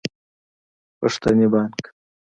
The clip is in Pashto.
پښتني بانګ